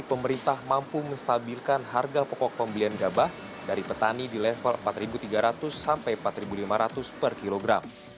pemerintah mampu menstabilkan harga pokok pembelian gabah dari petani di level rp empat tiga ratus sampai rp empat lima ratus per kilogram